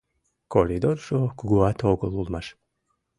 Коридоржо кугуат огыл улмаш.